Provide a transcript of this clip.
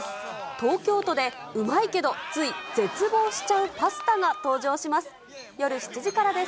東京都で、うまいけどつい絶望しちゃうパスタが登場します。